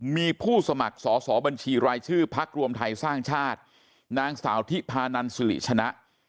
มีผู้สมัครสอสอบัญชีรายชื่อพักรวมไทยสร้างชาตินางสาวทิพานันสิริชนะ